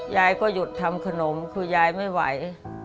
ยายก็หยุดทำขนมคือยายไม่ไหว